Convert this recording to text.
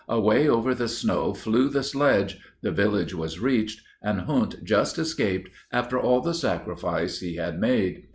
Away over the snow flew the sledge, the village was reached, and Hund just escaped after all the sacrifice he had made.